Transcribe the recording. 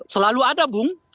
selalu ada bung